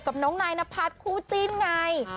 กับน้องนายนัพพรศคู่จิ้นไง